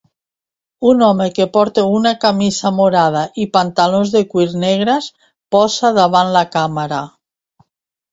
Un home que porta una camisa morada i pantalons de cuir negres posa davant la càmera.